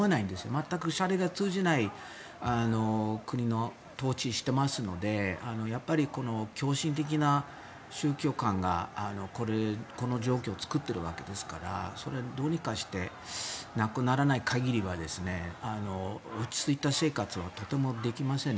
全くしゃれが通じない国の統治をしていますのでやっぱり、狂信的な宗教観がこの状況を作っているわけですからそれがどうにかしてなくならない限りは落ち着いた生活はとてもできませんね。